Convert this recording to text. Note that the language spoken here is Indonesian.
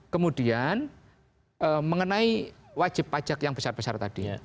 kemudian mengenai wajib pajak yang besar besar tadi